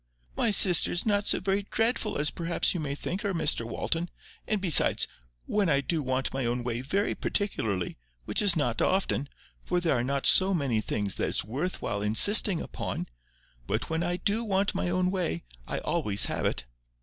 "My sister is not so very dreadful as perhaps you think her, Mr Walton; and besides, when I do want my own way very particularly, which is not often, for there are not so many things that it's worth while insisting upon—but when I DO want my own way, I always have it.